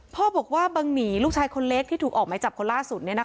พ่อบอกว่าบังหมีลูกชายคนเล็กที่ถูกออกมาจับคนล่าสุดเนี้ยนะคะ